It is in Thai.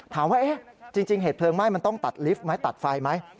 ถามว่าจริงเหตุเพลิงไหม้มันต้องตัดลิฟต์ไหมตัดไฟไหม